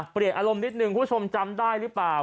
เปลี่ยนอารมณ์นิดนึงคุณผู้ชมจำได้หรือเปล่า